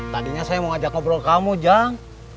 tadinya saya mau ajak ngobrol kamu jang